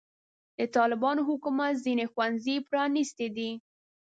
د طالبانو حکومت ځینې ښوونځي پرانستې دي.